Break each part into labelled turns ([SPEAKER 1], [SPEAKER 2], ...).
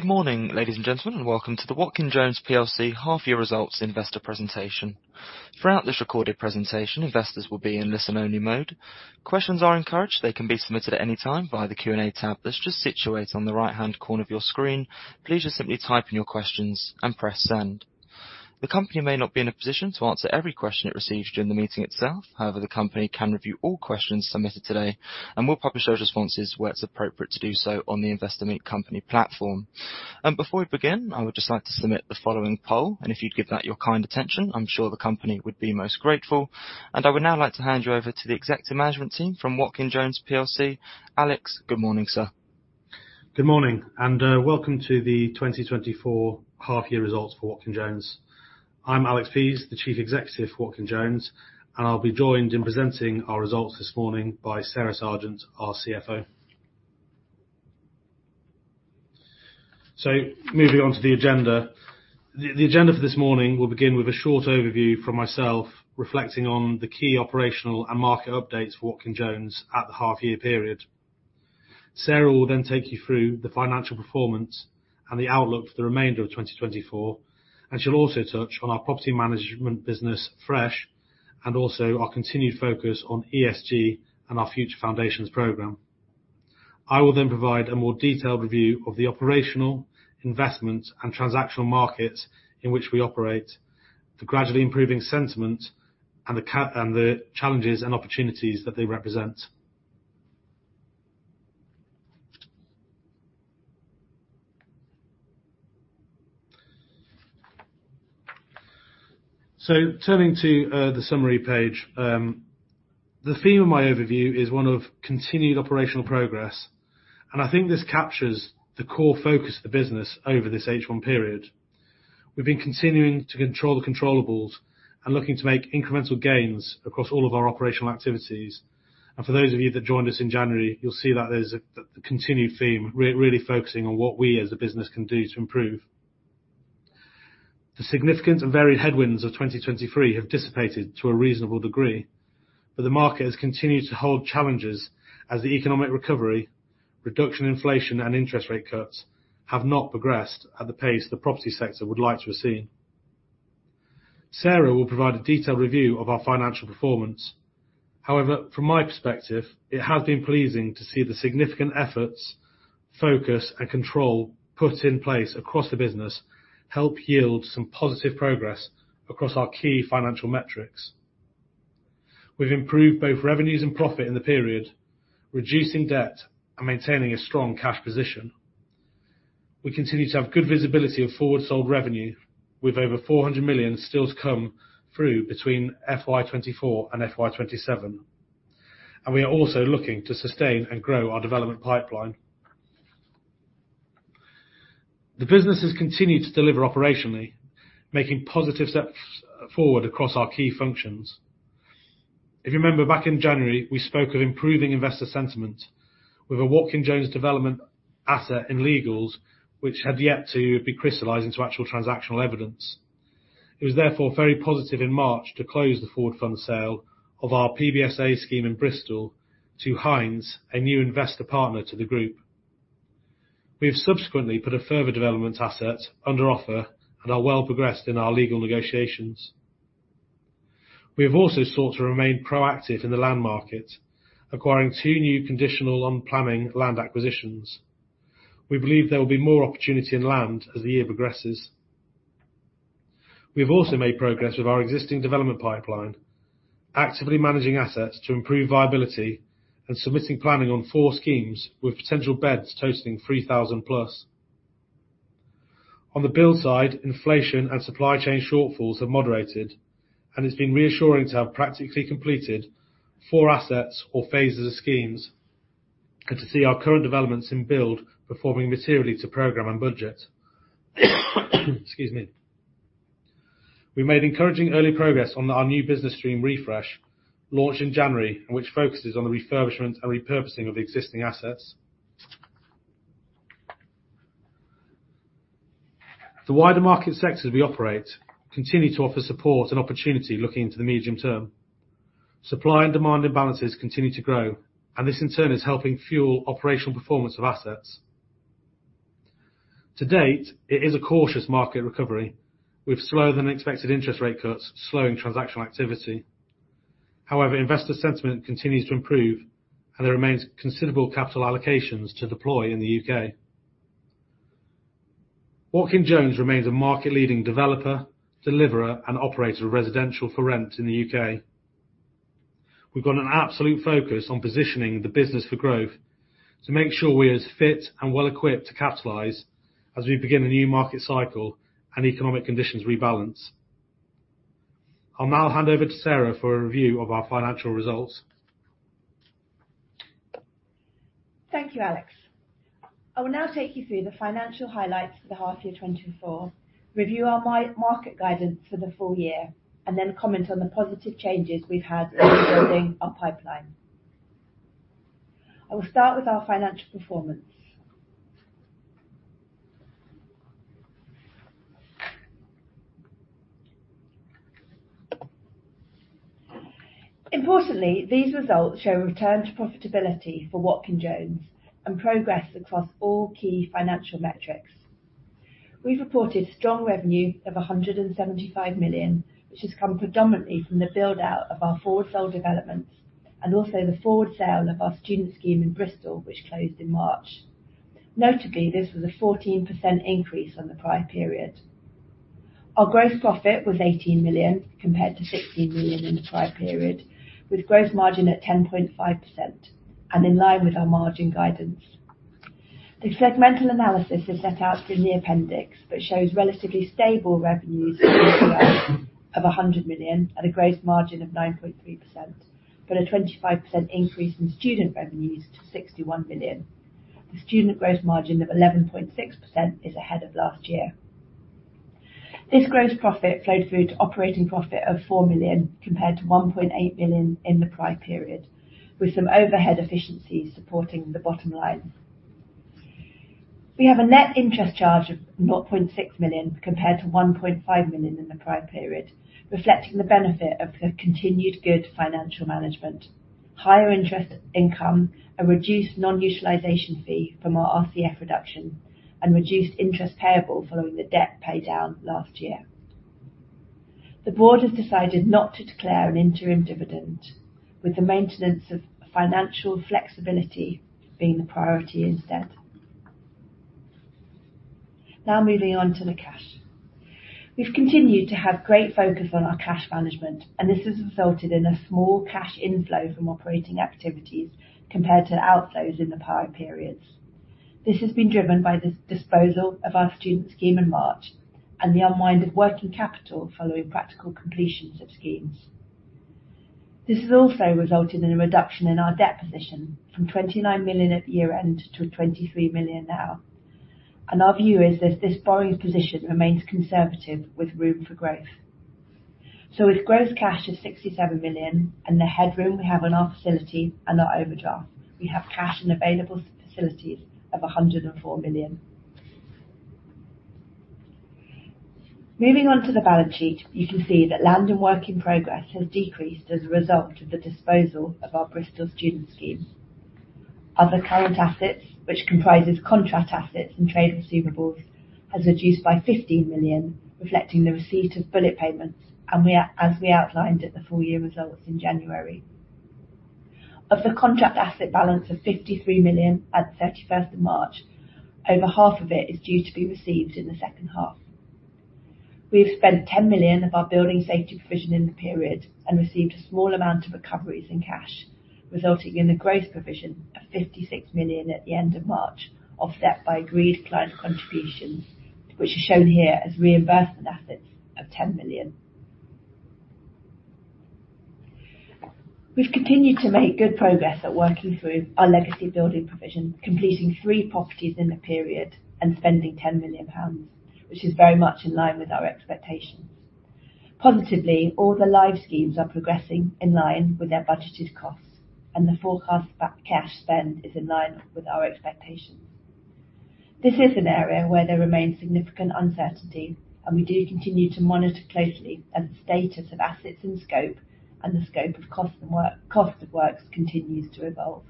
[SPEAKER 1] Good morning, ladies and gentlemen, and welcome to the Watkin Jones PLC Half Year Results Investor Presentation. Throughout this recorded presentation, investors will be in listen-only mode. Questions are encouraged. They can be submitted at any time via the Q&A tab that's just situated on the right-hand corner of your screen. Please just simply type in your questions and press send. The company may not be in a position to answer every question it receives during the meeting itself. However, the company can review all questions submitted today, and we'll publish those responses where it's appropriate to do so on the Investor Meet Company platform. And before we begin, I would just like to submit the following poll, and if you'd give that your kind attention, I'm sure the company would be most grateful. I would now like to hand you over to the executive management team from Watkin Jones PLC. Alex, good morning, sir.
[SPEAKER 2] Good morning, and welcome to the 2024 Half Year Results for Watkin Jones. I'm Alex Pease, the Chief Executive for Watkin Jones, and I'll be joined in presenting our results this morning by Sarah Sergeant, our CFO. So moving on to the agenda. The agenda for this morning will begin with a short overview from myself reflecting on the key operational and market updates for Watkin Jones at the half-year period. Sarah will then take you through the financial performance and the outlook for the remainder of 2024, and she'll also touch on our property management business, Fresh, and also our continued focus on ESG and our Future Foundations programmememe. I will then provide a more detailed review of the operational, investment, and transactional markets in which we operate, the gradually improving sentiment, and the challenges and opportunities that they represent. So, turning to the summary page, the theme of my overview is one of continued operational progress, and I think this captures the core focus of the business over this H1 period. We've been continuing to control the controllable and looking to make incremental gains across all of our operational activities. And for those of you that joined us in January, you'll see that the continued theme really focusing on what we as a business can do to improve. The significant and varied headwinds of 2023 have dissipated to a reasonable degree, but the market has continued to hold challenges as the economic recovery, reduction in inflation, and interest rate cuts have not progressed at the pace the property sector would like to have seen. Sarah will provide a detailed review of our financial performance. However, from my perspective, it has been pleasing to see the significant efforts, focus, and control put in place across the business help yield some positive progress across our key financial metrics. We've improved both revenues and profit in the period, reducing debt and maintaining a strong cash position. We continue to have good visibility of forward-sold revenue, with over 400 million still to come through between FY 2024 and FY 2027. We are also looking to sustain and grow our development pipeline. The business has continued to deliver operationally, making positive steps forward across our key functions. If you remember, back in January, we spoke of improving investor sentiment with a Watkin Jones development asset in legals which had yet to be crystallized into actual transactional evidence. It was therefore very positive in March to close the forward fund sale of our PBSA scheme in Bristol to Hines, a new investor partner to the group. We have subsequently put a further development asset under offer and are well progressed in our legal negotiations. We have also sought to remain proactive in the land market, acquiring 2 new conditional on-planning land acquisitions. We believe there will be more opportunity in land as the year progresses. We have also made progress with our existing development pipeline, actively managing assets to improve viability and submitting planning on 4 schemes with potential beds totaling 3,000+. On the build side, inflation and supply chain shortfalls have moderated, and it's been reassuring to have practically completed 4 assets or phases of schemes and to see our current developments in build performing materially to programmeme and budget. Excuse me. We've made encouraging early progress on our new business stream Refresh launched in January and which focuses on the refurbishment and repurposing of the existing assets. The wider market sectors we operate continue to offer support and opportunity looking into the medium term. Supply and demand imbalances continue to grow, and this in turn is helping fuel operational performance of assets. To date, it is a cautious market recovery with slower-than-expected interest rate cuts slowing transactional activity. However, investor sentiment continues to improve, and there remains considerable capital allocations to deploy in the UK. Watkin Jones remains a market-leading developer, deliverer, and operator of residential for rent in the UK. We've got an absolute focus on positioning the business for growth to make sure we are as fit and well equipped to capitalise as we begin a new market cycle and economic conditions rebalance. I'll now hand over to Sarah for a review of our financial results.
[SPEAKER 3] Thank you, Alex. I will now take you through the financial highlights for the half year 2024, review our mid-market guidance for the full year, and then comment on the positive changes we've had in building our pipeline. I will start with our financial performance. Importantly, these results show a return to profitability for Watkin Jones and progress across all key financial metrics. We've reported strong revenue of 175 million, which has come predominantly from the build-out of our forward-sold developments and also the forward sale of our student scheme in Bristol which closed in March. Notably, this was a 14% increase on the prior period. Our gross profit was 18 million compared to 16 million in the prior period, with gross margin at 10.5% and in line with our margin guidance. The segmental analysis is set out in the appendix but shows relatively stable revenues in the year of 100 million and a gross margin of 9.3%, but a 25% increase in student revenues to 61 million. The student gross margin of 11.6% is ahead of last year. This gross profit flowed through to operating profit of 4 million compared to 1.8 million in the prior period, with some overhead efficiencies supporting the bottom line. We have a net interest charge of 0.6 million compared to 1.5 million in the prior period, reflecting the benefit of the continued good financial management, higher interest income, a reduced non-utilisation fee from our RCF reduction, and reduced interest payable following the debt paydown last year. The board has decided not to declare an interim dividend, with the maintenance of financial flexibility being the priority instead. Now moving on to the cash. We've continued to have great focus on our cash management, and this has resulted in a small cash inflow from operating activities compared to outflows in the prior periods. This has been driven by the disposal of our student scheme in March and the unwind of working capital following practical completions of schemes. This has also resulted in a reduction in our debt position from 29 million at year end to 23 million now, and our view is that this borrowing position remains conservative with room for growth. So with gross cash of 67 million and the headroom we have on our facility and our overdraft, we have cash and available facilities of 104 million. Moving on to the balance sheet, you can see that land and work in progress has decreased as a result of the disposal of our Bristol student scheme. Other current assets, which comprise contract assets and trade receivables, have reduced by 15 million, reflecting the receipt of bullet payments and as we outlined at the full-year results in January. Of the contract asset balance of 53 million at the 31st of March, over half of it is due to be received in the second half. We have spent 10 million of our building safety provision in the period and received a small amount of recoveries in cash, resulting in a gross provision of 56 million at the end of March offset by agreed client contributions, which are shown here as reimbursement assets of 10 million. We've continued to make good progress at working through our legacy building provision, completing three properties in the period and spending 10 million pounds, which is very much in line with our expectations. Positively, all the live schemes are progressing in line with their budgeted costs, and the forecast base cash spend is in line with our expectations. This is an area where there remains significant uncertainty, and we do continue to monitor closely as the status of assets and scope of the cost and works continues to evolve.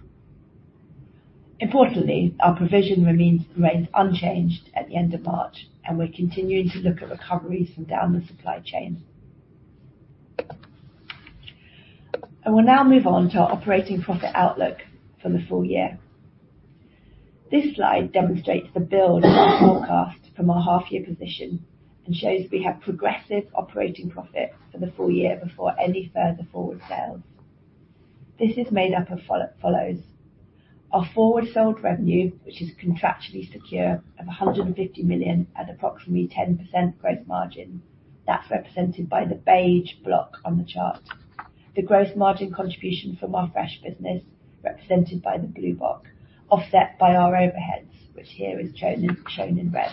[SPEAKER 3] Importantly, our provision remains unchanged at the end of March, and we're continuing to look at recoveries from down the supply chain. We'll now move on to our operating profit outlook for the full year. This slide demonstrates the build of our forecast from our half-year position and shows we have progressive operating profit for the full year before any further forward sales. This is made up of follows. Our forward-sold revenue, which is contractually secure, of 150 million at approximately 10% gross margin, that's represented by the beige block on the chart. The gross margin contribution from our Fresh business, represented by the blue block, offset by our overheads, which here is shown in red.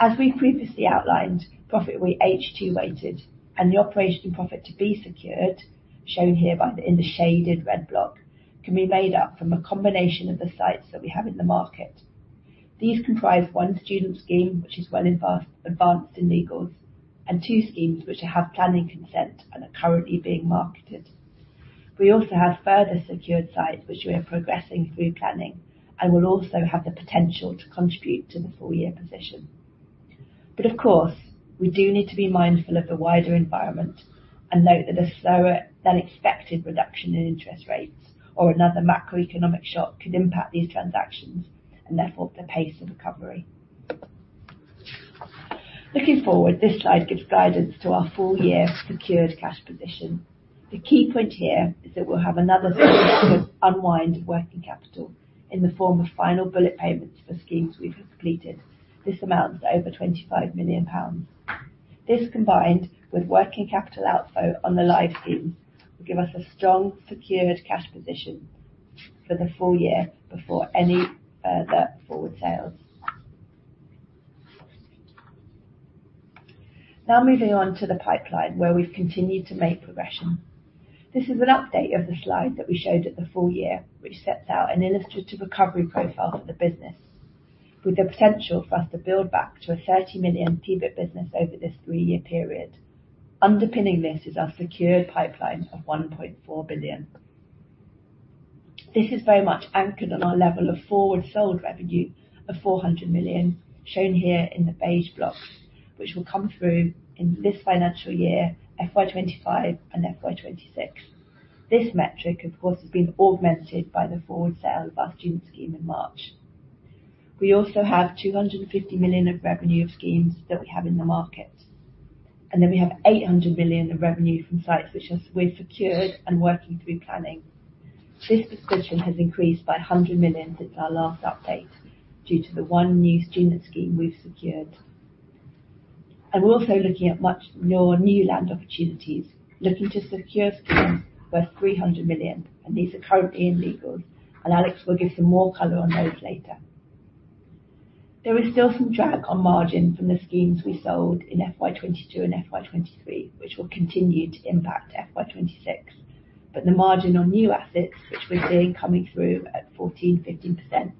[SPEAKER 3] As we previously outlined, profit weight H2 weighted and the operating profit to be secured, shown here by the shaded red block, can be made up from a combination of the sites that we have in the market. These comprise one student scheme, which is well advanced in legals, and two schemes which have planning consent and are currently being marketed. We also have further secured sites which we are progressing through planning and will also have the potential to contribute to the full year position. But of course, we do need to be mindful of the wider environment and note that a slower-than-expected reduction in interest rates or another macroeconomic shock could impact these transactions and therefore the pace of recovery. Looking forward, this slide gives guidance to our full year secured cash position. The key point here is that we'll have another significant unwind of working capital in the form of final bullet payments for schemes we've completed. This amounts to over 25 million pounds. This combined with working capital outflow on the live schemes will give us a strong secured cash position for the full year before any further forward sales. Now moving on to the pipeline where we've continued to make progression. This is an update of the slide that we showed at the full year, which sets out an illustrative recovery profile for the business with the potential for us to build back to a 30 million PBIT business over this three-year period. Underpinning this is our secured pipeline of 1.4 billion. This is very much anchored on our level of forward-sold revenue of 400 million, shown here in the beige blocks, which will come through in this financial year, FY 2025 and FY 2026. This metric, of course, has been augmented by the forward sale of our student scheme in March. We also have 250 million of revenue of schemes that we have in the market, and then we have 800 million of revenue from sites which are secured and working through planning. This description has increased by 100 million since our last update due to the one new student scheme we've secured. We're also looking at much more new land opportunities, looking to secure schemes worth 300 million, and these are currently in legals, and Alex will give some more color on those later. There is still some drag on margin from the schemes we sold in FY 2022 and FY 2023, which will continue to impact FY 2026, but the margin on new assets, which we're seeing coming through at 14%-15%,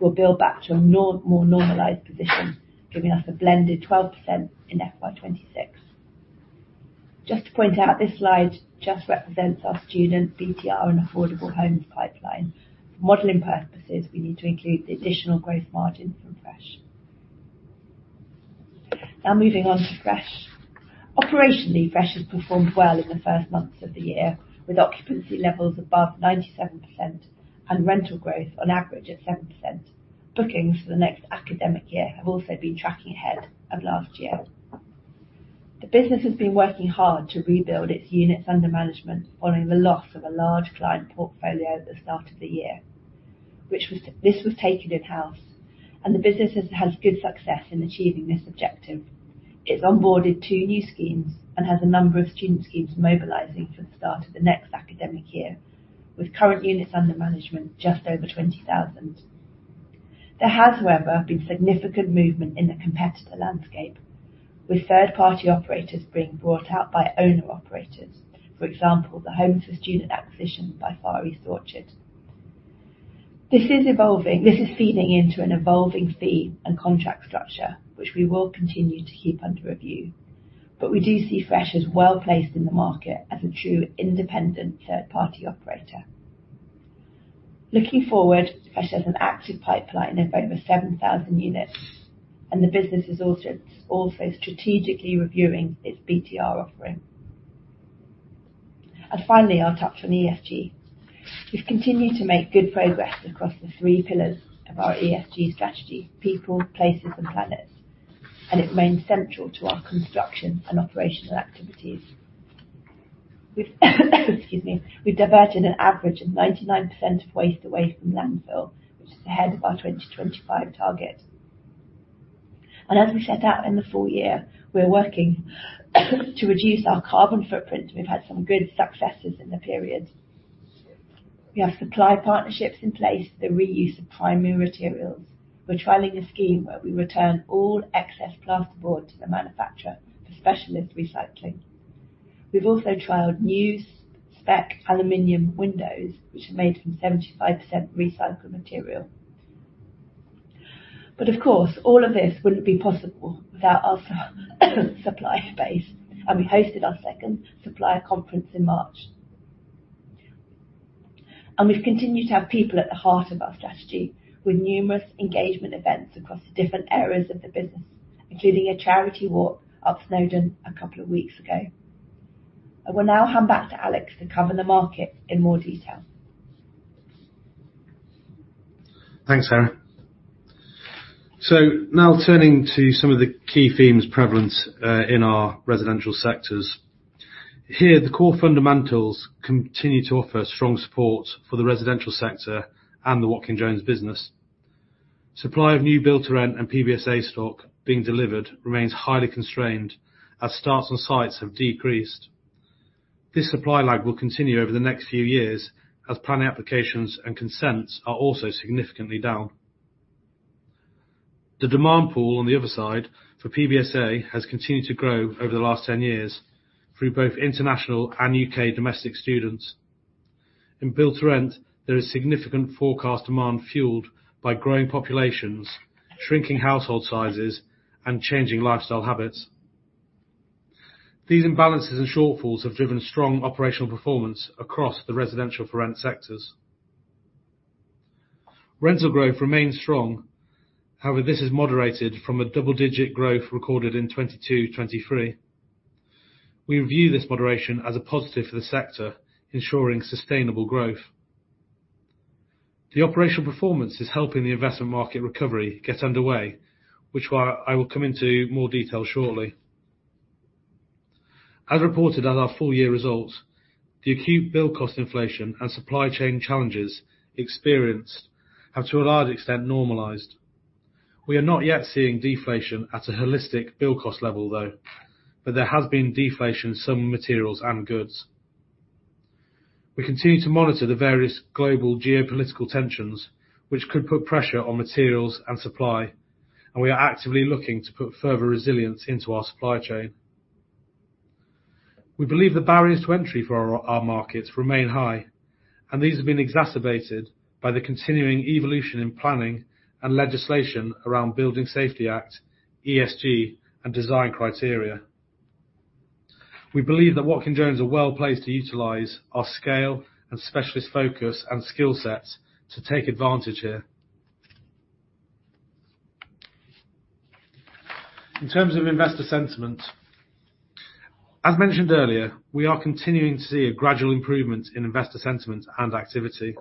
[SPEAKER 3] will build back to a now more normalized position, giving us a blended 12% in FY 2026. Just to point out, this slide just represents our student BTR and affordable homes pipeline. For modeling purposes, we need to include the additional gross margin from Fresh. Now moving on to Fresh. Operationally, Fresh has performed well in the first months of the year, with occupancy levels above 97% and rental growth on average at 7%. Bookings for the next academic year have also been tracking ahead of last year. The business has been working hard to rebuild its units under management following the loss of a large client portfolio at the start of the year, which was taken in-house, and the business has had good success in achieving this objective. It's onboarded two new schemes and has a number of student schemes mobilizing for the start of the next academic year, with current units under management just over 20,000. There has, however, been significant movement in the competitor landscape, with third-party operators being bought out by owner operators, for example, the Homes for Students acquisition by Far East Orchard. This is evolving, this is feeding into an evolving fee and contract structure, which we will continue to keep under review, but we do see Fresh as well placed in the market as a true independent third-party operator. Looking forward, Fresh has an active pipeline of over 7,000 units, and the business is also, it's also strategically reviewing its BTR offering. And finally, I'll touch on ESG. We've continued to make good progress across the three pillars of our ESG strategy: people, places, and planet, and it remains central to our construction and operational activities. Excuse me. We've diverted an average of 99% of waste away from landfill, which is ahead of our 2025 target. As we set out in the full year, we're working to reduce our carbon footprint, and we've had some good successes in the period. We have supply partnerships in place for the reuse of primary materials. We're trialing a scheme where we return all excess plasterboard to the manufacturer for specialist recycling. We've also trialed new spec aluminum windows, which are made from 75% recycled material. But of course, all of this wouldn't be possible without our supplier base, and we hosted our second supplier conference in March. We've continued to have people at the heart of our strategy with numerous engagement events across different areas of the business, including a charity walk up Snowdon a couple of weeks ago. We'll now hand back to Alex to cover the market in more detail.
[SPEAKER 2] Thanks, Sarah. So now turning to some of the key themes prevalent in our residential sectors. Here, the core fundamentals continue to offer strong support for the residential sector and the Watkin Jones business. Supply of new Build to Rent and PBSA stock being delivered remains highly constrained as starts on sites have decreased. This supply lag will continue over the next few years as planning applications and consents are also significantly down. The demand pool on the other side for PBSA has continued to grow over the last 10 years through both international and UK domestic students. In Build to Rent, there is significant forecast demand fuelled by growing populations, shrinking household sizes, and changing lifestyle habits. These imbalances and shortfalls have driven strong operational performance across the residential for rent sectors. Rental growth remains strong. However, this is moderated from a double-digit growth recorded in 2022, 2023. We review this moderation as a positive for the sector, ensuring sustainable growth. The operational performance is helping the investment market recovery get underway, which I will go into more detail shortly. As reported at our full year results, the acute build cost inflation and supply chain challenges experienced have to a large extent normalized. We are not yet seeing deflation at a holistic build cost level, though, but there has been deflation in some materials and goods. We continue to monitor the various global geopolitical tensions, which could put pressure on materials and supply, and we are actively looking to put further resilience into our supply chain. We believe the barriers to entry for our markets remain high, and these have been exacerbated by the continuing evolution in planning and legislation around Building Safety Act, ESG, and design criteria. We believe that Watkin Jones are well placed to utilize our scale and specialist focus and skill sets to take advantage here. In terms of investor sentiment, as mentioned earlier, we are continuing to see a gradual improvement in investor sentiment and activity.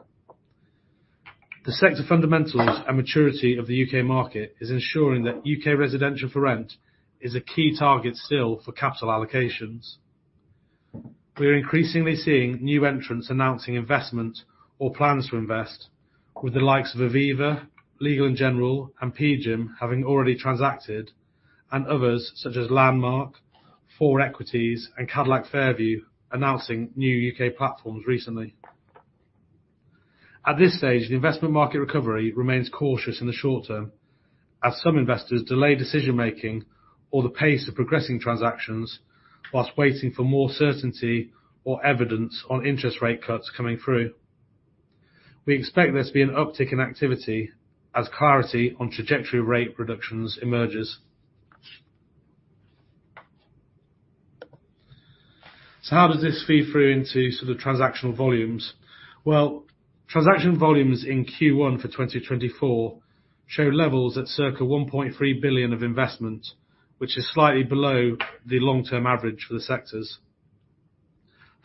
[SPEAKER 2] The sector fundamentals and maturity of the UK market is ensuring that UK residential for rent is a key target still for capital allocations. We are increasingly seeing new entrants announcing investment or plans to invest, with the likes of Aviva, Legal & General, and PGIM having already transacted, and others such as Landmark Properties, Thor Equities, and Cadillac Fairview announcing new UK platforms recently. At this stage, the investment market recovery remains cautious in the short term as some investors delay decision making or the pace of progressing transactions while waiting for more certainty or evidence on interest rate cuts coming through. We expect there to be an uptick in activity as clarity on trajectory rate reductions emerges. So how does this feed through into sort of transactional volumes? Well, transaction volumes in Q1 2024 show levels at circa 1.3 billion of investment, which is slightly below the long-term average for the sectors.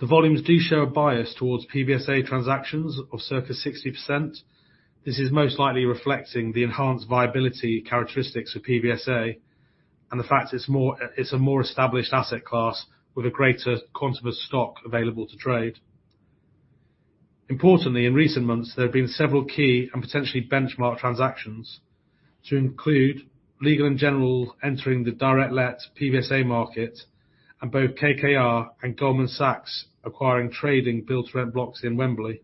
[SPEAKER 2] The volumes do show a bias towards PBSA transactions of circa 60%. This is most likely reflecting the enhanced viability characteristics of PBSA and the fact it's a more established asset class with a greater quantum of stock available to trade. Importantly, in recent months, there have been several key and potentially benchmark transactions to include Legal & General entering the direct-let PBSA market and both KKR and Goldman Sachs acquiring Build to Rent blocks in Wembley.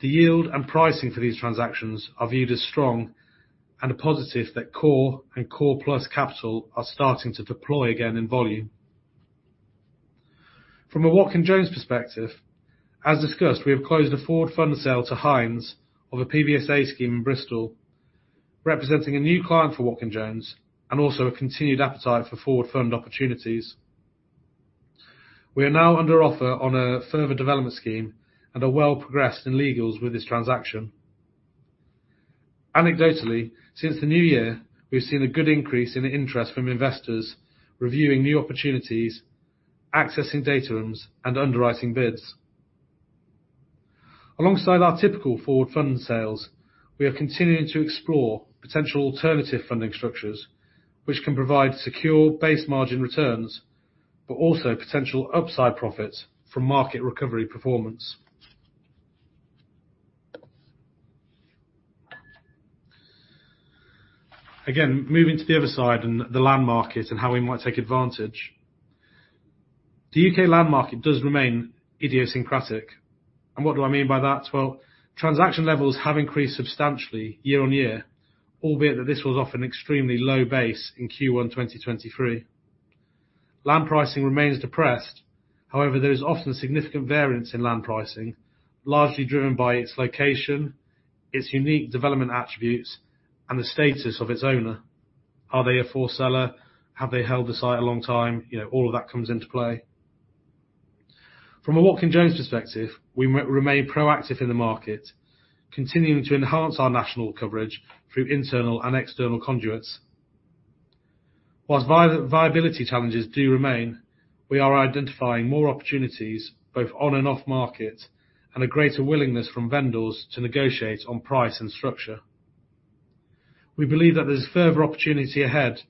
[SPEAKER 2] The yield and pricing for these transactions are viewed as strong and a positive that core and core plus capital are starting to deploy again in volume. From a Watkin Jones perspective, as discussed, we have closed a forward fund sale to Hines of a PBSA scheme in Bristol, representing a new client for Watkin Jones and also a continued appetite for forward fund opportunities. We are now under offer on a further development scheme and are well progressed in legals with this transaction. Anecdotally, since the new year, we've seen a good increase in interest from investors reviewing new opportunities, accessing data rooms, and underwriting bids. Alongside our typical forward fund sales, we are continuing to explore potential alternative funding structures, which can provide secure base margin returns but also potential upside profits from market recovery performance. Again, moving to the other side and the land market and how we might take advantage. The U.K. land market does remain idiosyncratic. What do I mean by that? Well, transaction levels have increased substantially year-on-year, albeit that this was off an extremely low base in Q1 2024. Land pricing remains depressed. However, there is often significant variance in land pricing, largely driven by its location, its unique development attributes, and the status of its owner. Are they a forced seller? Have they held the site a long time? You know, all of that comes into play. From a Watkin Jones perspective, we remain proactive in the market, continuing to enhance our national coverage through internal and external conduits. Whilst viability challenges do remain, we are identifying more opportunities both on and off market and a greater willingness from vendors to negotiate on price and structure. We believe that there's further opportunity ahead,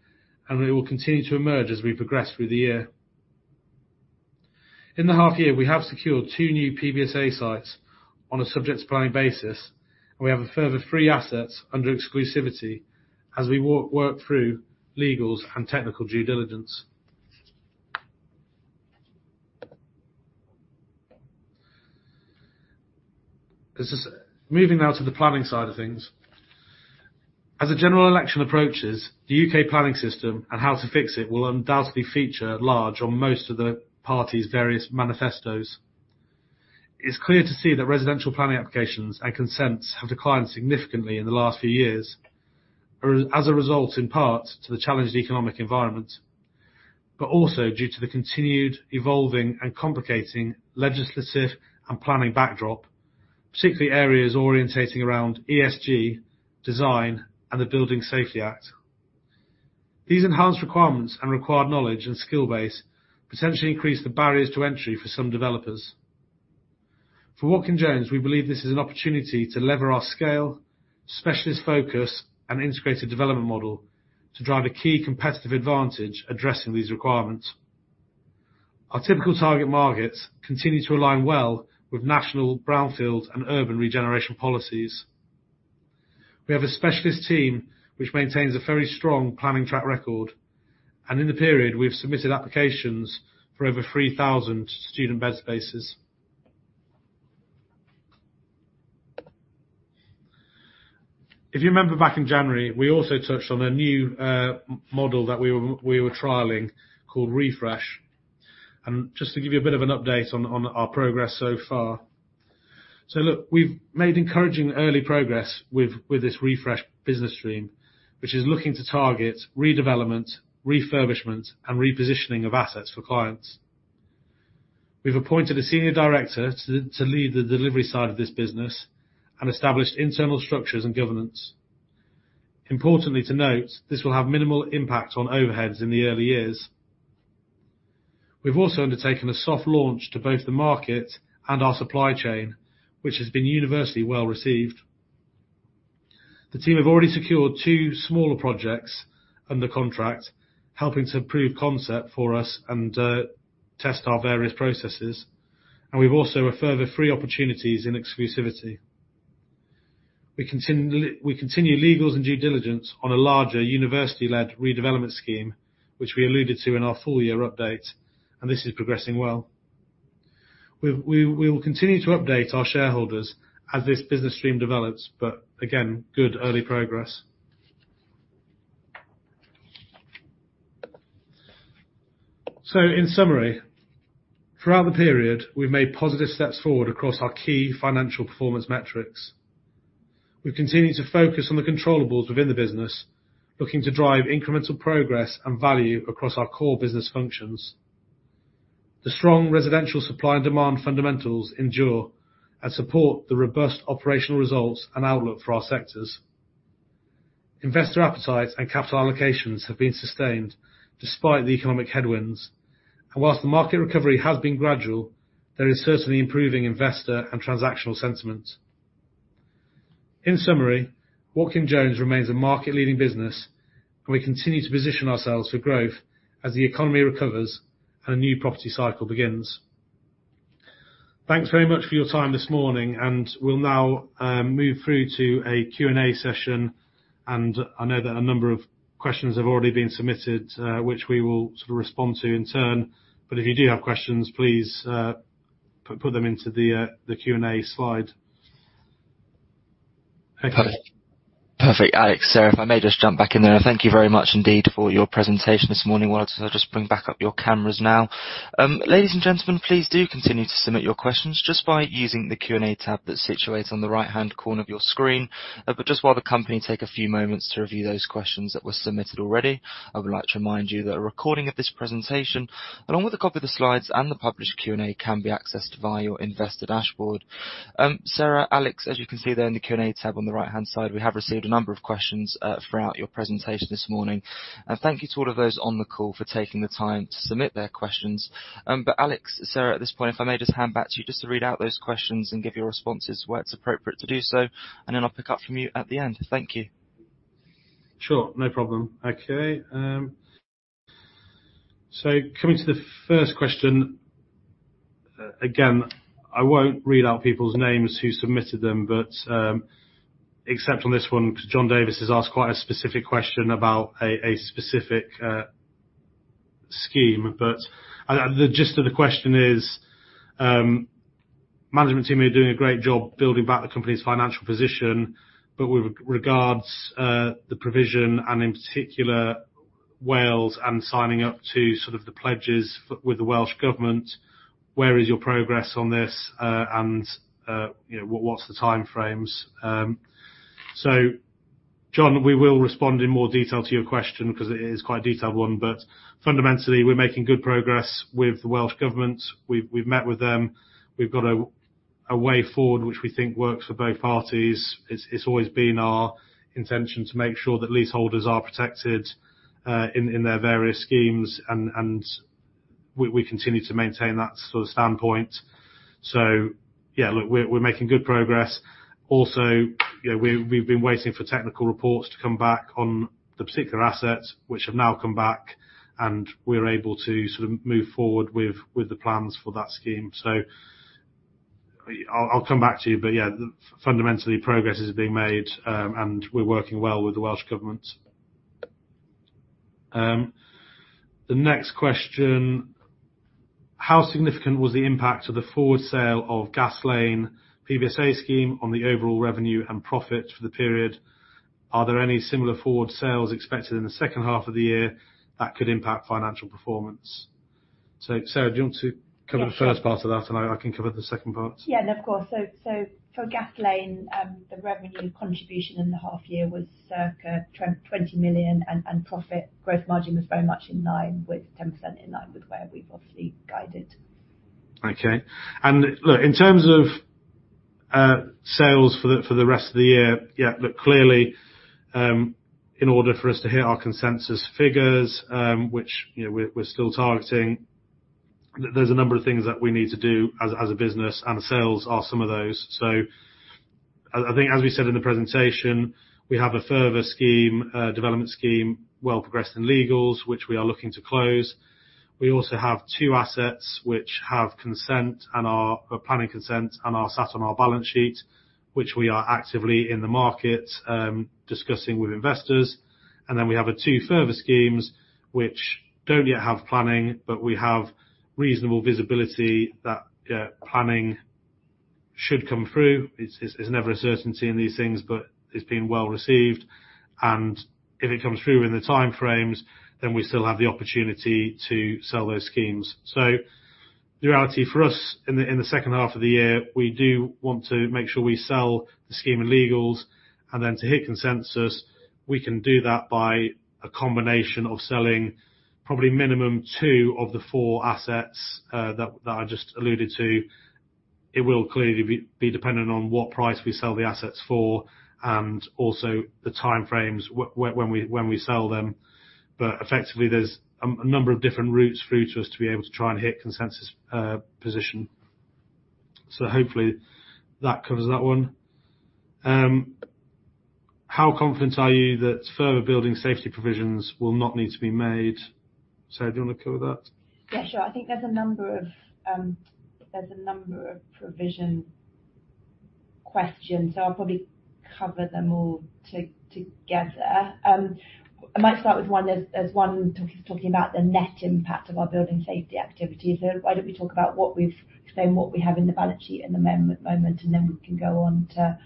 [SPEAKER 2] and it will continue to emerge as we progress through the year. In the half year, we have secured 2 new PBSA sites on a subject to planning basis, and we have a further 3 assets under exclusivity as we work through legals and technical due diligence. Moving now to the planning side of things. As a general election approaches, the U.K. planning system and how to fix it will undoubtedly feature large on most of the parties' various manifestos. It's clear to see that residential planning applications and consents have declined significantly in the last few years as a result in part to the challenged economic environment, but also due to the continued evolving and complicating legislative and planning backdrop, particularly areas orienting around ESG, design, and the Building Safety Act. These enhanced requirements and required knowledge and skill base potentially increase the barriers to entry for some developers. For Watkin Jones, we believe this is an opportunity to lever our scale, specialist focus, and integrated development model to drive a key competitive advantage addressing these requirements. Our typical target markets continue to align well with national brownfield and urban regeneration policies. We have a specialist team which maintains a very strong planning track record, and in the period, we've submitted applications for over 3,000 student bed spaces. If you remember back in January, we also touched on a new model that we were trialling called Refresh. Just to give you a bit of an update on our progress so far. Look, we've made encouraging early progress with this Refresh business stream, which is looking to target redevelopment, refurbishment, and repositioning of assets for clients. We've appointed a senior director to lead the delivery side of this business and established internal structures and governance. Importantly to note, this will have minimal impact on overheads in the early years. We've also undertaken a soft launch to both the market and our supply chain, which has been universally well received. The team have already secured two smaller projects under contract, helping to prove concept for us and test our various processes. We've also offered the three opportunities in exclusivity. We continue legals and due diligence on a larger university-led redevelopment scheme, which we alluded to in our full year update, and this is progressing well. We've will continue to update our shareholders as this business stream develops, but again, good early progress. So in summary, throughout the period, we've made positive steps forward across our key financial performance metrics. We've continued to focus on the controllable within the business, looking to drive incremental progress and value across our core business functions. The strong residential supply and demand fundamentals endure and support the robust operational results and outlook for our sectors. Investor appetites and capital allocations have been sustained despite the economic headwinds, and whilst the market recovery has been gradual, there is certainly improving investor and transactional sentiment. In summary, Watkin Jones remains a market-leading business, and we continue to position ourselves for growth as the economy recovers and a new property cycle begins. Thanks very much for your time this morning, and we'll now move through to a Q and A session. I know that a number of questions have already been submitted, which we will sort of respond to in turn, but if you do have questions, please put them into the Q and A slide. Okay.
[SPEAKER 3] Perfect. Perfect, Alex. Sarah, if I may just jump back in there. Thank you very much indeed for your presentation this morning. Well, I'll just I'll just bring back up your cameras now. Ladies and gentlemen, please do continue to submit your questions just by using the Q and A tab that's situated on the right-hand corner of your screen. But just while the company take a few moments to review those questions that were submitted already, I would like to remind you that a recording of this presentation, along with a copy of the slides and the published Q and A, can be accessed via your investor dashboard. Sarah, Alex, as you can see there in the Q and A tab on the right-hand side, we have received a number of questions throughout your presentation this morning. Thank you to all of those on the call for taking the time to submit their questions. But Alex, Sarah, at this point, if I may just hand back to you just to read out those questions and give your responses where it's appropriate to do so, and then I'll pick up from you at the end. Thank you.
[SPEAKER 2] Sure. No problem. Okay. So coming to the first question, again, I won't read out people's names who submitted them, but, except on this one, because John Davis has asked quite a specific question about a specific scheme. But the gist of the question is, management team are doing a great job building back the company's financial position, but with regards, the provision and in particular Wales and signing up to sort of the pledges with the Welsh government, where is your progress on this, and, you know, what's the timeframes? So John, we will respond in more detail to your question because it is quite a detailed one, but fundamentally we're making good progress with the Welsh government. We've met with them. We've got a way forward which we think works for both parties. It's always been our intention to make sure that leaseholders are protected, in their various schemes, and we continue to maintain that sort of standpoint. So yeah, look, we're making good progress. Also, you know, we've been waiting for technical reports to come back on the particular assets, which have now come back, and we're able to sort of move forward with the plans for that scheme. So I'll come back to you, but yeah, fundamentally progress is being made, and we're working well with the Welsh Government. The next question. How significant was the impact of the forward sale of Gas Lane PBSA scheme on the overall revenue and profit for the period? Are there any similar forward sales expected in the second half of the year that could impact financial performance? So Sarah, do you want to cover the first part of that, and I can cover the second part?
[SPEAKER 3] Yeah, of course. So for Gas Lane, the revenue contribution in the half year was circa 20 million, and profit gross margin was very much in line with 10% in line with where we've obviously guided.
[SPEAKER 2] Okay. And look, in terms of sales for the rest of the year, yeah, look, clearly, in order for us to hit our consensus figures, which, you know, we're still targeting, there's a number of things that we need to do as a business, and sales are some of those. So I think as we said in the presentation, we have a further scheme, development scheme well progressed in legals, which we are looking to close. We also have two assets which have consent and are planning consent and are sat on our balance sheet, which we are actively in the market, discussing with investors. And then we have two further schemes which don't yet have planning, but we have reasonable visibility that, yeah, planning should come through. It's never a certainty in these things, but it's being well received. If it comes through in the timeframes, then we still have the opportunity to sell those schemes. The reality for us in the second half of the year, we do want to make sure we sell the scheme in legals, and then to hit consensus, we can do that by a combination of selling probably minimum two of the four assets, that I just alluded to. It will clearly be dependent on what price we sell the assets for and also the timeframes when we sell them. Effectively, there's a number of different routes through to us to be able to try and hit consensus position. Hopefully that covers that one. How confident are you that further building safety provisions will not need to be made? Sarah, do you want to cover that?
[SPEAKER 3] Yeah, sure. I think there's a number of provision questions, so I'll probably cover them all together. I might start with one. There's one talking about the net impact of our building safety activities. So why don't we talk about what we have in the balance sheet at the moment, and then we can go on to,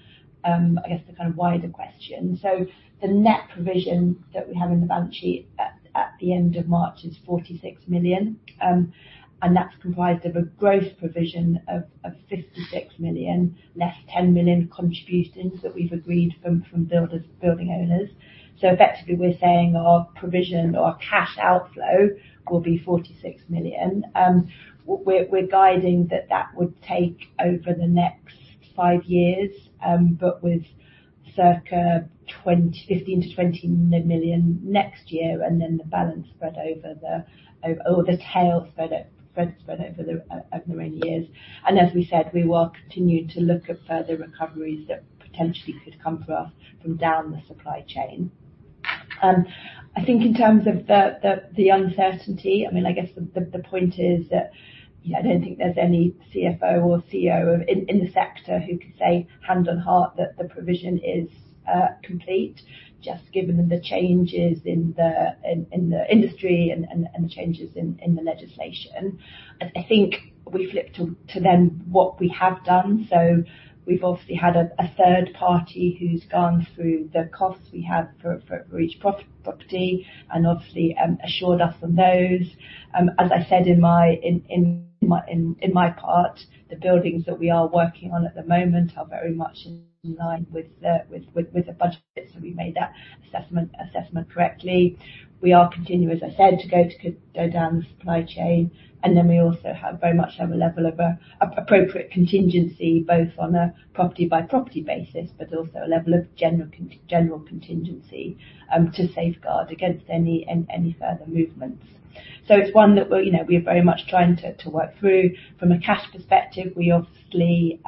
[SPEAKER 3] I guess, the kind of wider question. So the net provision that we have in the balance sheet at the end of March is 46 million, and that's comprised of a gross provision of 56 million, less 10 million contributions that we've agreed from builders building owners. So effectively, we're saying our provision or cash outflow will be 46 million. We're guiding that would take over the next 5 years, but with circa 15 million-20 million next year and then the balance spread over or the tail spread over the many years. And as we said, we will continue to look at further recoveries that potentially could come for us from down the supply chain. I think in terms of the uncertainty, I mean, I guess the point is that, you know, I don't think there's any CFO or CEO in the sector who could say hand on heart that the provision is complete just given the changes in the industry and the changes in the legislation. I think we flip to then what we have done. So we've obviously had a third party who's gone through the costs we have for each property and obviously assured us on those. As I said in my part, the buildings that we are working on at the moment are very much in line with the budget, so we made that assessment correctly. We are continuing, as I said, to go down the supply chain, and then we also have very much a level of appropriate contingency both on a property-by-property basis but also a level of general contingency, to safeguard against any further movements. So it's one that we're, you know, we are very much trying to work through. From a cash perspective, we obviously,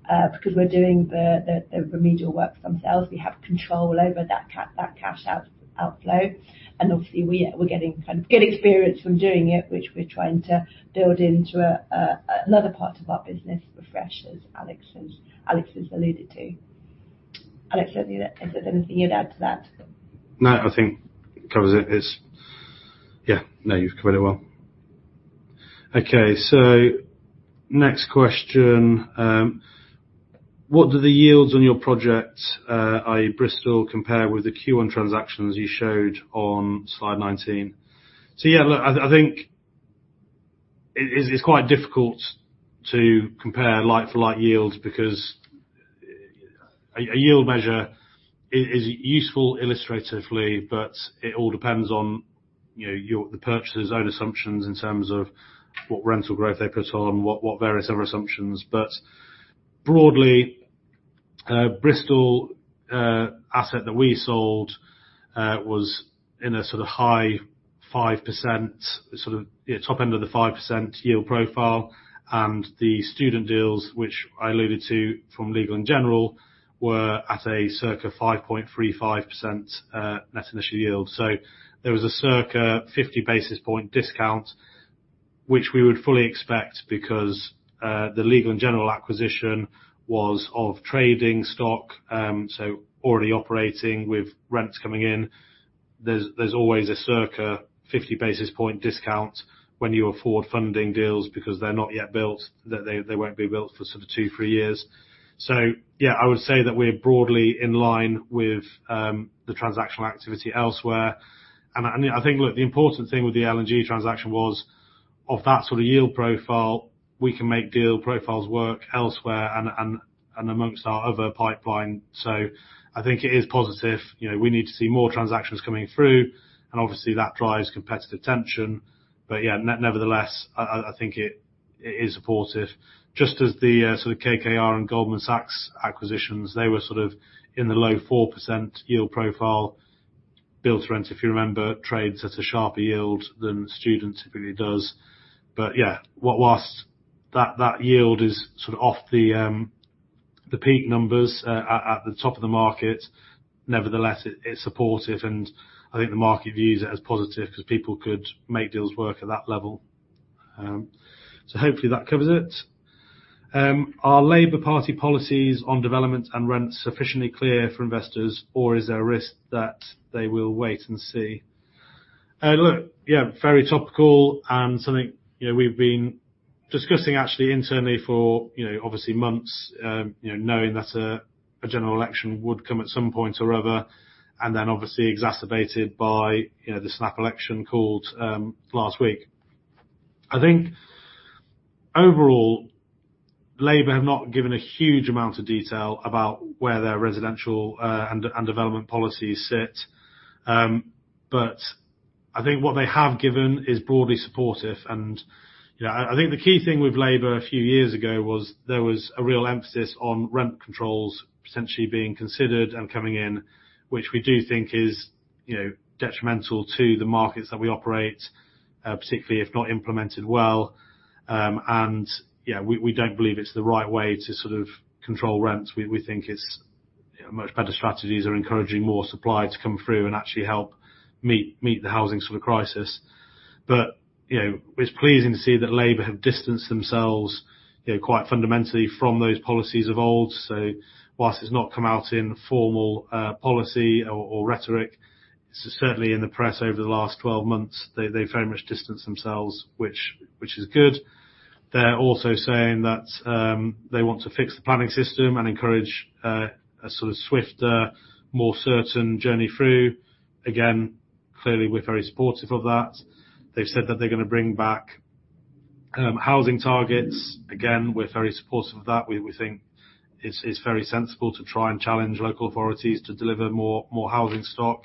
[SPEAKER 3] because we're doing the remedial work ourselves, we have control over that cash outflow, and obviously we're getting kind of good experience from doing it, which we're trying to build into another part of our business Refresh as Alex has alluded to. Alex, is there anything you'd add to that?
[SPEAKER 2] No, I think covers it. It's yeah, no, you've covered it well. Okay, so next question. What do the yields on your project, i.e. Bristol, compare with the Q1 transactions you showed on slide 19? So yeah, look, I think it's quite difficult to compare like-for-like yields because a yield measure is useful illustratively, but it all depends on, you know, the purchaser's own assumptions in terms of what rental growth they put on, what various other assumptions. But broadly, Bristol, asset that we sold, was in a sort of high 5% sort of, you know, top end of the 5% yield profile, and the student deals, which I alluded to from Legal & General, were at a circa 5.35%, net initial yield. So there was a circa 50 basis point discount, which we would fully expect because the Legal & General acquisition was of trading stock, so already operating with rents coming in. There's always a circa 50 basis point discount when you forward funding deals because they're not yet built, that they won't be built for sort of 2-3 years. So yeah, I would say that we're broadly in line with the transactional activity elsewhere. And I think, look, the important thing with the L&G transaction was, of that sort of yield profile, we can make deal profiles work elsewhere and amongst our other pipeline. So I think it is positive. You know, we need to see more transactions coming through, and obviously that drives competitive tension. But yeah, nevertheless, I think it is supportive. Just as the sort of KKR and Goldman Sachs acquisitions, they were sort of in the low 4% yield profile. Build to Rent, if you remember, trades at a sharper yield than student typically does. But yeah, while that yield is sort of off the peak numbers, at the top of the market, nevertheless it's supportive, and I think the market views it as positive because people could make deals work at that level. So hopefully that covers it. Are Labour Party policies on development and rents sufficiently clear for investors, or is there a risk that they will wait and see? Look, yeah, very topical and something, you know, we've been discussing actually internally for, you know, obviously months, you know, knowing that a general election would come at some point or other and then obviously exacerbated by, you know, the snap election called last week. I think overall Labour have not given a huge amount of detail about where their residential and development policies sit, but I think what they have given is broadly supportive. And, you know, I think the key thing with Labour a few years ago was there was a real emphasis on rent controls potentially being considered and coming in, which we do think is, you know, detrimental to the markets that we operate, particularly if not implemented well. And yeah, we don't believe it's the right way to sort of control rents. We think it's, you know, much better strategies are encouraging more supply to come through and actually help meet the housing sort of crisis. But, you know, it's pleasing to see that Labour have distanced themselves, you know, quite fundamentally from those policies of old. So while it's not come out in formal policy or rhetoric, it's certainly in the press over the last 12 months that they've very much distanced themselves, which is good. They're also saying that they want to fix the planning system and encourage a sort of swifter, more certain journey through. Again, clearly we're very supportive of that. They've said that they're going to bring back housing targets. Again, we're very supportive of that. We think it's very sensible to try and challenge local authorities to deliver more housing stock.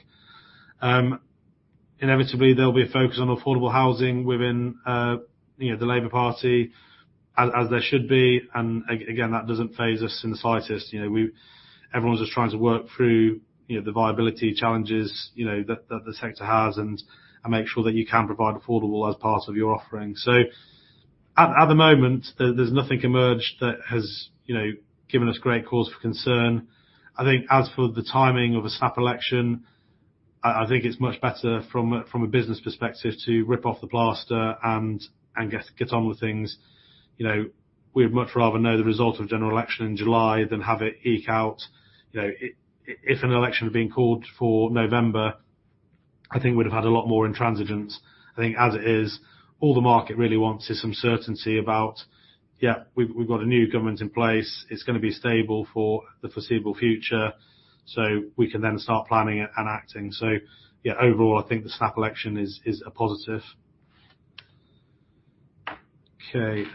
[SPEAKER 2] Inevitably, there'll be a focus on affordable housing within, you know, the Labour Party as there should be, and again that doesn't faze us in the slightest. You know, we, everyone's just trying to work through, you know, the viability challenges, you know, that the sector has and make sure that you can provide affordable as part of your offering. So at the moment there's nothing emerged that has, you know, given us great cause for concern. I think as for the timing of a snap election, I think it's much better from a business perspective to rip off the plaster and get on with things. You know, we'd much rather know the result of a general election in July than have it eke out. You know, if an election had been called for November, I think we'd have had a lot more intransigence. I think as it is, all the market really wants is some certainty about, yeah, we've got a new government in place. It's going to be stable for the foreseeable future, so we can then start planning and acting. So yeah, overall I think the snap election is a positive. Okay,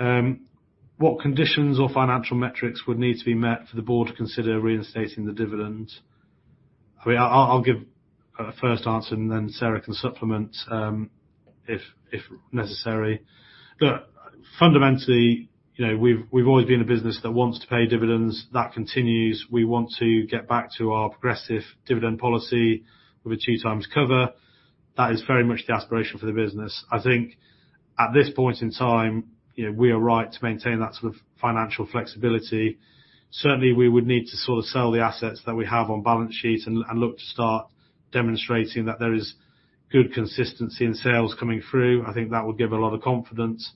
[SPEAKER 2] what conditions or financial metrics would need to be met for the board to consider reinstating the dividend? I mean, I'll give a first answer and then Sarah can supplement, if necessary. Look, fundamentally, you know, we've always been a business that wants to pay dividends. That continues. We want to get back to our progressive dividend policy with a 2x cover. That is very much the aspiration for the business. I think at this point in time, you know, we are right to maintain that sort of financial flexibility. Certainly we would need to sort of sell the assets that we have on balance sheet and look to start demonstrating that there is good consistency in sales coming through. I think that would give a lot of confidence.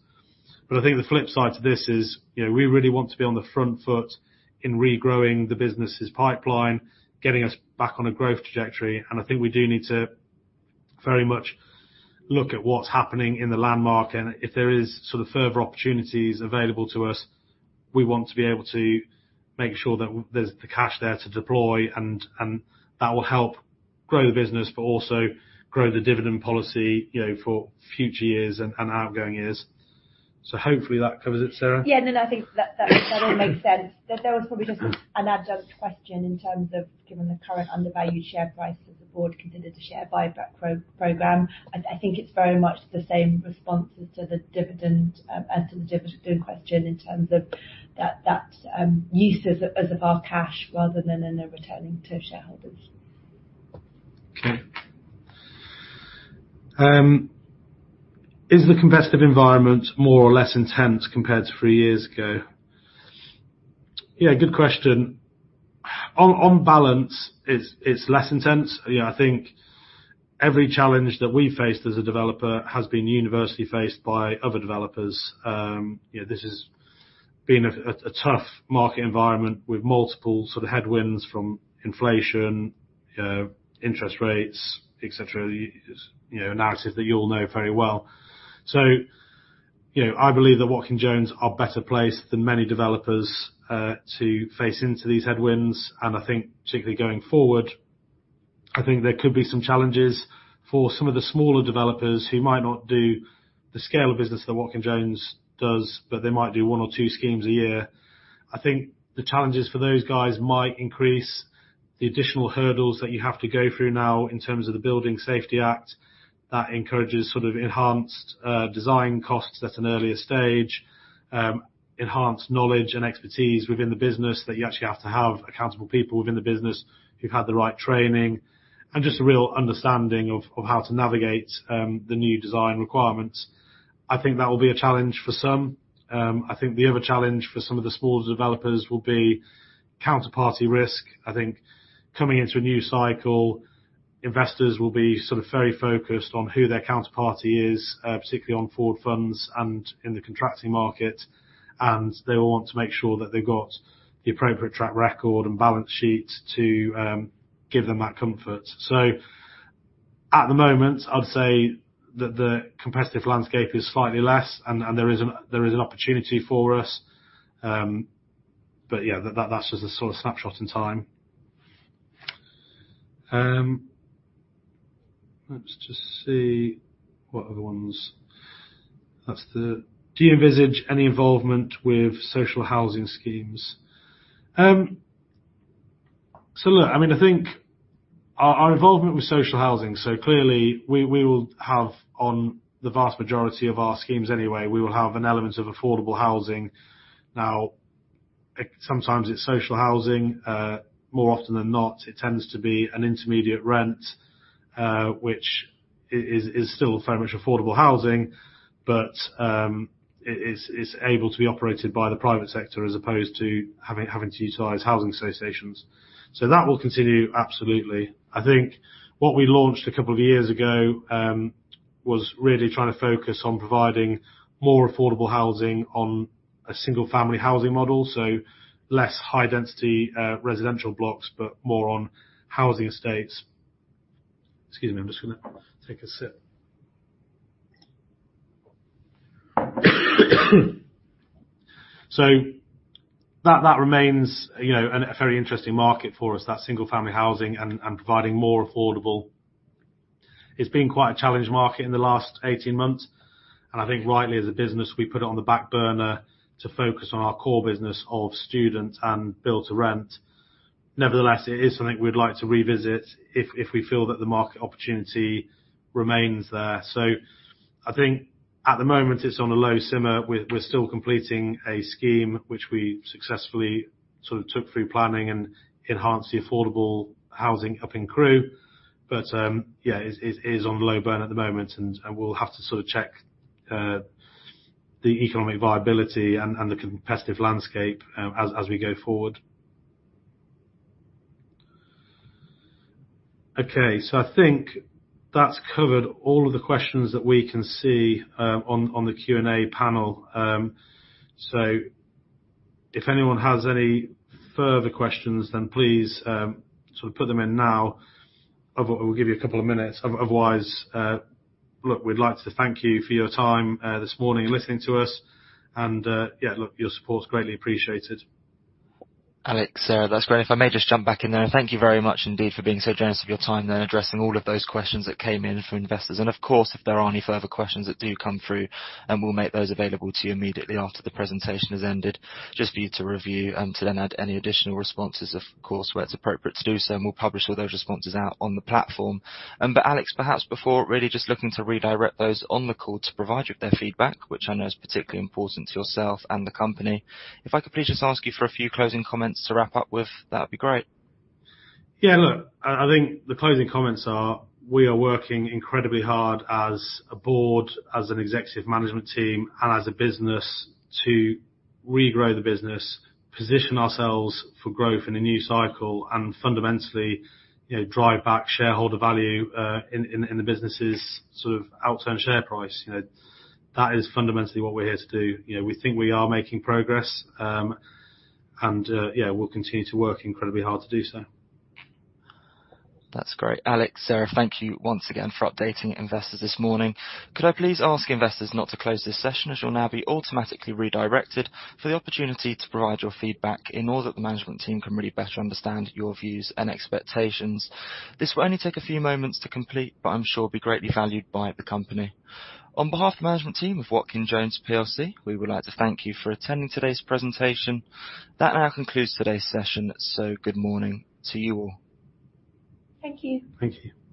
[SPEAKER 2] But I think the flip side to this is, you know, we really want to be on the front foot in regrowing the business's pipeline, getting us back on a growth trajectory, and I think we do need to very much look at what's happening in the Landmark Properties. If there is sort of further opportunities available to us, we want to be able to make sure that there's the cash there to deploy, and that will help grow the business but also grow the dividend policy, you know, for future years and outgoing years. So hopefully that covers it, Sarah.
[SPEAKER 3] Yeah, no, no, I think that all makes sense. There was probably just an adjunct question in terms of, given the current undervalued share price, has the board considered a share buyback programmeme. I think it's very much the same responses to the dividend as to the dividend question in terms of that use of our cash rather than returning to shareholders.
[SPEAKER 2] Okay. Is the competitive environment more or less intense compared to three years ago? Yeah, good question. On balance, it's less intense. You know, I think every challenge that we've faced as a developer has been universally faced by other developers. You know, this has been a tough market environment with multiple sort of headwinds from inflation, you know, interest rates, et cetera. You know, a narrative that you all know very well. So, you know, I believe that Watkin Jones are better placed than many developers, to face into these headwinds, and I think particularly going forward, I think there could be some challenges for some of the smaller developers who might not do the scale of business that Watkin Jones does, but they might do one or two schemes a year. I think the challenges for those guys might increase the additional hurdles that you have to go through now in terms of the Building Safety Act that encourages sort of enhanced design costs at an earlier stage, enhanced knowledge and expertise within the business that you actually have to have accountable people within the business who've had the right training and just a real understanding of how to navigate the new design requirements. I think that will be a challenge for some. I think the other challenge for some of the smaller developers will be counterparty risk. I think coming into a new cycle, investors will be sort of very focused on who their counterparty is, particularly on forward funds and in the contracting market, and they will want to make sure that they've got the appropriate track record and balance sheet to give them that comfort. So at the moment, I'd say that the competitive landscape is slightly less and there is an opportunity for us, but yeah, that's just a sort of snapshot in time. Let's just see what other ones. That's the. Do you envisage any involvement with social housing schemes? So look, I mean, I think our involvement with social housing, so clearly we will have on the vast majority of our schemes anyway, we will have an element of affordable housing. Now, sometimes it's social housing. More often than not, it tends to be an intermediate rent, which is still very much affordable housing, but it's able to be operated by the private sector as opposed to having to utilize housing associations. So that will continue absolutely. I think what we launched a couple of years ago was really trying to focus on providing more affordable housing on a single-family housing model, so less high density residential blocks but more on housing estates. Excuse me, I'm just going to take a sip. So that remains, you know, a very interesting market for us, that single-family housing and providing more affordable. It's been quite a challenged market in the last 18 months, and I think rightly as a business we put it on the back burner to focus on our core business of student and Build to Rent. Nevertheless, it is something we'd like to revisit if we feel that the market opportunity remains there. So I think at the moment it's on a low simmer. We're still completing a scheme which we successfully sort of took through planning and enhanced the affordable housing up in Crewe. But, yeah, it's on the low burn at the moment, and we'll have to sort of check the economic viability and the competitive landscape, as we go forward. Okay, so I think that's covered all of the questions that we can see on the Q&A panel. So if anyone has any further questions, then please sort of put them in now. We'll give you a couple of minutes. Otherwise, look, we'd like to thank you for your time this morning listening to us, and yeah, look, your support's greatly appreciated.
[SPEAKER 1] Alex, Sarah, that's great. If I may just jump back in there, thank you very much indeed for being so generous of your time there addressing all of those questions that came in from investors. And of course, if there are any further questions that do come through, we'll make those available to you immediately after the presentation has ended just for you to review and to then add any additional responses, of course, where it's appropriate to do so. And we'll publish all those responses out on the platform. But Alex, perhaps before really just looking to redirect those on the call to provide you with their feedback, which I know is particularly important to yourself and the company, if I could please just ask you for a few closing comments to wrap up with, that'd be great.
[SPEAKER 2] Yeah, look, I think the closing comments are we are working incredibly hard as a board, as an executive management team, and as a business to regrow the business, position ourselves for growth in a new cycle, and fundamentally, you know, drive back shareholder value, in the business's sort of outturn share price. You know, that is fundamentally what we're here to do. You know, we think we are making progress, and, yeah, we'll continue to work incredibly hard to do so.
[SPEAKER 1] That's great. Alex, Sarah, thank you once again for updating investors this morning. Could I please ask investors not to close this session as you'll now be automatically redirected for the opportunity to provide your feedback in order that the management team can really better understand your views and expectations? This will only take a few moments to complete, but I'm sure it'll be greatly valued by the company. On behalf of the management team of Watkin Jones PLC, we would like to thank you for attending today's presentation. That now concludes today's session, so good morning to you all.
[SPEAKER 3] Thank you.
[SPEAKER 2] Thank you.